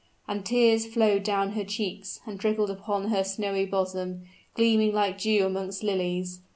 And tears flowed down her cheeks, and trickled upon her snowy bosom, gleaming like dew amongst lilies.